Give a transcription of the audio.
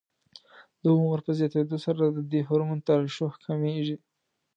د عمر په زیاتېدلو سره د دې هورمون ترشح کمېږي.